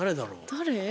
誰？